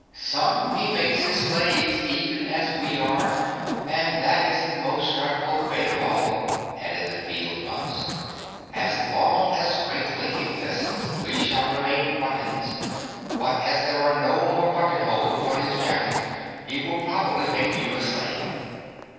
"Some he makes his slaves even as we are and that is the most dreadful fate of all," added the field mouse. "As long as Crinklink exists we shall remain buttons, but as there are no more buttonholes on his jacket he will probably make you a slave."